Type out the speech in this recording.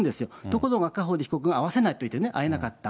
ところが赤堀被告が会わせないといって会えなかった。